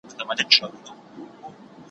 تر غوړ لمر لاندي يې تل كول مزلونه